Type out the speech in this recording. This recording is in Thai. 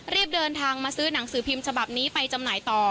รีบเดินทางมาซื้อหนังสือพิมพ์ฉบับนี้ไปจำหน่ายต่อ